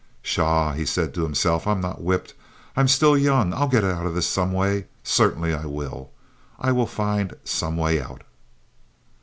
"Pshaw!" he said to himself, "I'm not whipped. I'm still young. I'll get out of this in some way yet. Certainly I will. I'll find some way out."